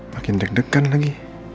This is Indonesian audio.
makin deg degan lagi